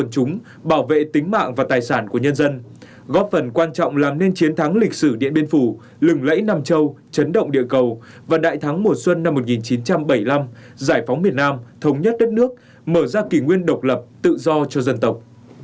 chúng bảo vệ tính mạng và tài sản của nhân dân góp phần quan trọng làm nên chiến thắng lịch sử điện biên phủ lừng lẫy nam châu chấn động địa cầu và đại thắng mùa xuân năm một nghìn chín trăm bảy mươi năm giải phóng miền nam thống nhất đất nước mở ra kỷ nguyên độc lập tự do cho dân tộc